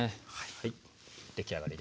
はい出来上がりです。